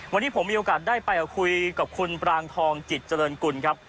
วันนี้ผมมีโอกาสได้ไปคุยกับคุณปรางทองจิตเจริญกุลครับ